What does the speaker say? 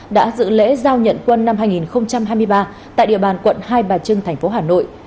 đã dự lễ giao nhận quân năm hai nghìn hai mươi ba tại địa bàn quận hai bà trưng thành phố hà nội